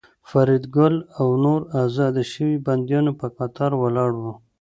فریدګل او نور ازاد شوي بندیان په قطار ولاړ وو